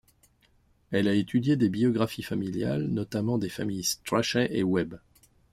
Elle a étudié des biographies familiales, notamment des familles Strachey et Webb.